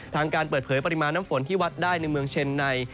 ทางการเป็ดเผยปริมาณน้ำฝนที่วัดได้แบบเช็นนัย